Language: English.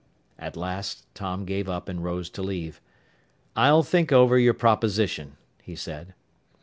At last Tom gave up and rose to leave. "I'll think over your proposition," he said.